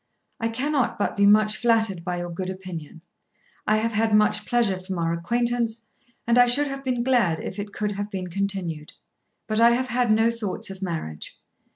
I cannot but be much flattered by your good opinion. I have had much pleasure from our acquaintance, and I should have been glad if it could have been continued. But I have had no thoughts of marriage.